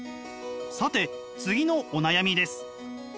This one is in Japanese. さて次のお悩みです。